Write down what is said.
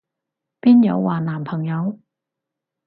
邊有話男朋友？